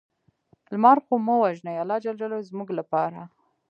لمر خو مه وژنې الله ج زموږ لپاره